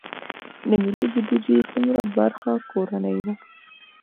د ملي بودیجې څومره برخه کورنۍ ده؟